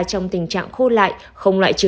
trong tình trạng khô lại không loại trừ